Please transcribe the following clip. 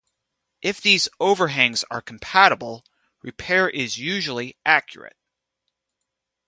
If these overhangs are compatible, repair is usually accurate.